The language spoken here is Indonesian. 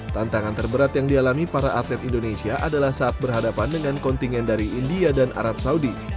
tantangan terberat yang dialami para atlet indonesia adalah saat berhadapan dengan kontingen dari india dan arab saudi